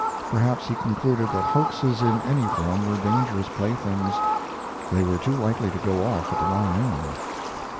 Perhaps he concluded that hoaxes in any form were dangerous playthings; they were too likely to go off at the wrong end.